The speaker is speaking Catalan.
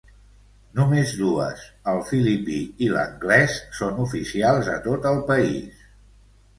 Només dues, el filipí i l'anglès són oficials a tot el país.